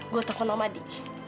gue telfon sama adi